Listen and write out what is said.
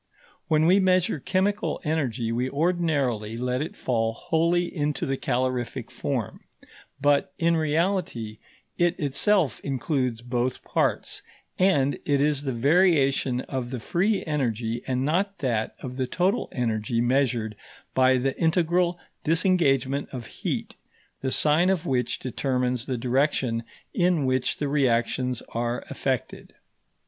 When we measure chemical energy, we ordinarily let it fall wholly into the calorific form; but, in reality, it itself includes both parts, and it is the variation of the free energy and not that of the total energy measured by the integral disengagement of heat, the sign of which determines the direction in which the reactions are effected.